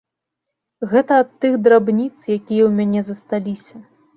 Гэта ад тых драбніц, якія ў мяне засталіся.